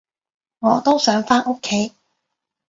我都想返屋企